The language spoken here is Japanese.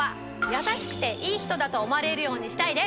優しくていい人だと思われるようにしたいです。